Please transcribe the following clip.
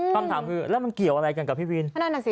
คำถามคือแล้วมันเกี่ยวอะไรกันกับพี่วินอ่ะสิ